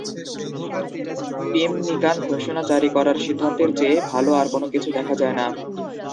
পিমমিকান ঘোষণা জারি করার সিদ্ধান্তের চেয়ে ভাল আর কোন কিছু দেখা যায় না।